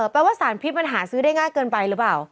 แปลว่าสารพิษมันหาซื้อได้ง่ายเกินไปหรือเปล่า